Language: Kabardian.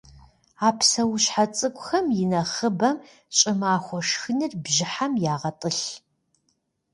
А псэущхьэ цӏыкӏухэм инэхъыбэм щӏымахуэ шхыныр бжьыхьэм ягъэтӏылъ.